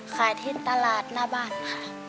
ขายที่ตลาดหน้าบ้านค่ะ